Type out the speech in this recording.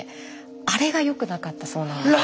あれがよくなかったそうなんです。